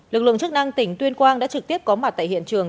lực lượng chức năng tỉnh tuyên quang đã trực tiếp có mặt tại hiện trường